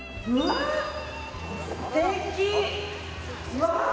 うわ！